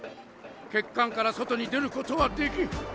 血管から外に出ることはできん！